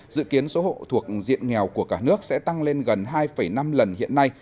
hai nghìn hai mươi một hai nghìn hai mươi năm dự kiến số hộ thuộc diện nghèo của cả nước sẽ tăng lên gần hai năm lần hiện nay